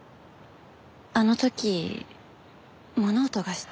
あの時物音がして。